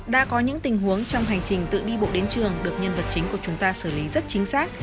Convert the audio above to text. đã có những tình huống trong hành trình tự đi bộ đến trường được nhân vật chính của chúng ta xử lý rất chính xác